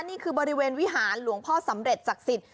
นี่คือบริเวณวิหารหลวงพ่อสำเร็จศักดิ์สิทธิ